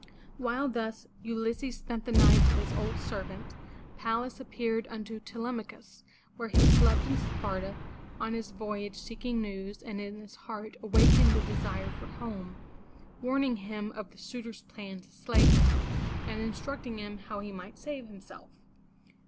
While thus Ulysses spent the night with his old servant, Pallas appeared unto Te lem'a chus, where he slept in Sparta on his voyage seeking news, and in his heart awakened the desire for home, warning him of the suitors' plan to slay him, and instructing him how he might save himself.